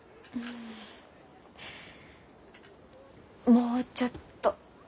もうちょっと。